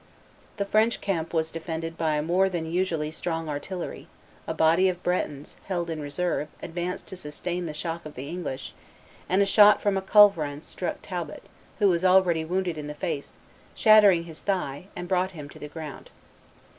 The French camp was defended by a more than usually strong artillery; a body of Bretons, held in reserve, advanced to sustain the shock of the English; and a shot from a culverin struck Talbot, who was already wounded in the face, shattered his thigh, and brought him to the ground.